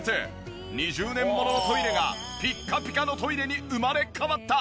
２０年もののトイレがピッカピカのトイレに生まれ変わった。